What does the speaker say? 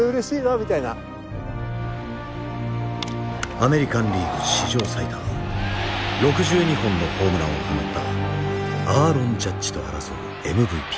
アメリカンリーグ史上最多６２本のホームランを放ったアーロン・ジャッジと争うＭＶＰ。